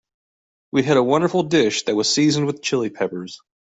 We had a wonderful dish that was seasoned with Chili Peppers.